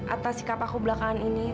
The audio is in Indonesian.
atas sikap aku belakangan ini